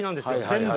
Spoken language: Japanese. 全部。